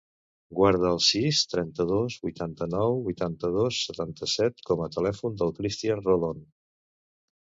Guarda el sis, trenta-dos, vuitanta-nou, vuitanta-dos, setanta-set com a telèfon del Christian Rollon.